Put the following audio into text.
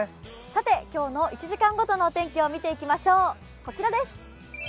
今日の１時間ごとの天気を見ていきましょう。